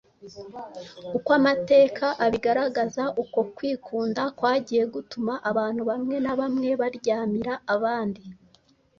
uko amateka abigaragaza, uko kwikunda kwagiye gutuma abantu bamwe na bamwe baryamira abandi,